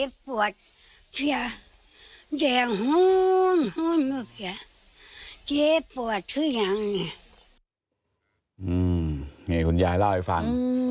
นี่คุณยายเล่าให้ฟัง